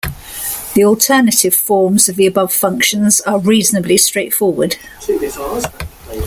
The alternative forms of the above functions are reasonably straightforward.